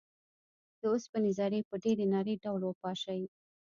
د اوسپنې ذرې په ډیر نري ډول وپاشئ.